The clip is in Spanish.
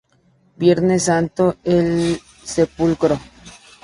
Viernes santo: El sepulcro.